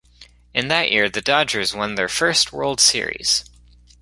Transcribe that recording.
In that year, the Dodgers won their first World Series.